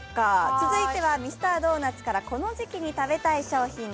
続いてはミスタードーナツからこの時期に食べたいシリーズ。